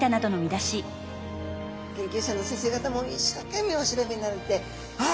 研究者の先生方も一生懸命お調べになられてあ！